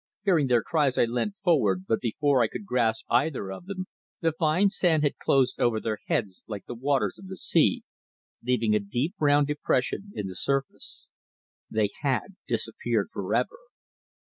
Hearing their cries I leant forward, but before I could grasp either of them the fine sand had closed over their heads like the waters of the sea, leaving a deep round depression in the surface. They had disappeared for ever.